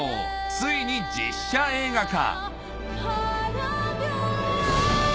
ついに実写映画化